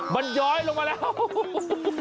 มันย้อยลงมาแล้ว